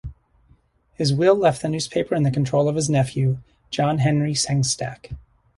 His will left the newspaper in the control of his nephew, John Henry Sengstacke.